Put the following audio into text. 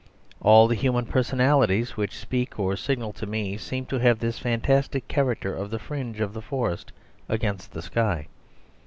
All the human personalities which speak or signal to me seem to have this fantastic character of the fringe of the forest against the sky.